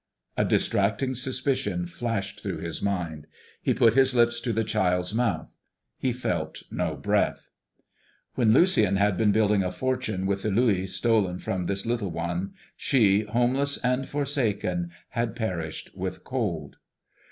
A distracting suspicion flashed through his mind. He put his lips to the child's mouth; he felt no breath. While Lucien had been building a fortune with the louis stolen from this little one, she, homeless and forsaken, had perished with cold.